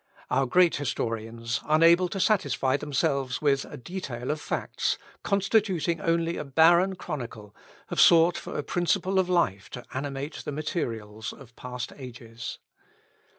Our great historians, unable to satisfy themselves with a detail of facts, constituting only a barren chronicle, have sought for a principle of life to animate the materials of past ages.